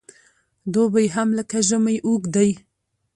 دوبی هم لکه ژمی اوږد دی .